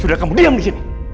sudah kamu diam disini